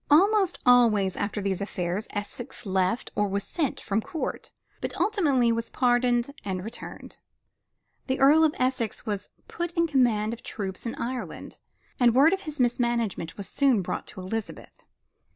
Almost always after these affairs Essex left or was sent from Court, but ultimately was pardoned and returned. The Earl of Essex was put in command of troops in Ireland, and word of his mismanagement was soon brought to Elizabeth.